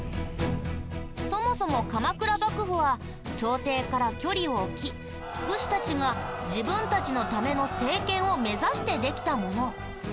そもそも鎌倉幕府は朝廷から距離を置き武士たちが自分たちのための政権を目指してできたもの。